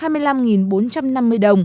hai mươi năm vnđ trên một usd